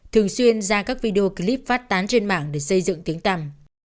thường xuyên ra các video clip phát tán trên mạng để xây dựng tiếng tằm